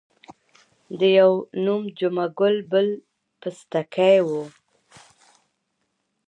د یوه نوم جمعه ګل بل پستکی وو.